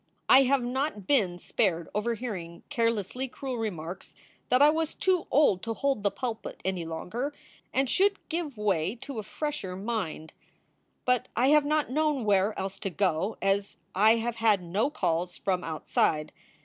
I have not been spared overhearing carelessly cruel remarks that I was too old to hold the pulpit any longer and should give way to a fresher mind; but I have not known where else to go, as I have had no calls from outside.